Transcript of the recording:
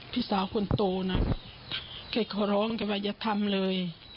พี่สาวคนโตน่ะแกขอร้องแกว่าอย่าทำเลย